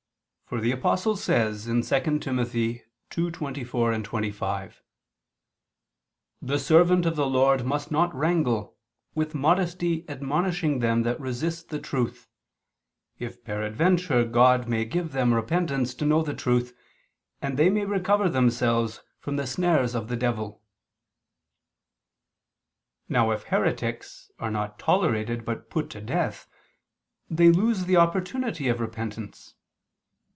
For the Apostle says (2 Tim. 2:24, 25): "The servant of the Lord must not wrangle ... with modesty admonishing them that resist the truth, if peradventure God may give them repentance to know the truth, and they may recover themselves from the snares of the devil." Now if heretics are not tolerated but put to death, they lose the opportunity of repentance.